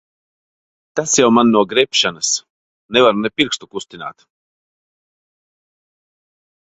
Tas jau man no grebšanas. Nevaru ne pirkstu kustināt.